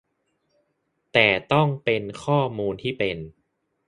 แต่ต้องเป็นข้อมูลที่เป็น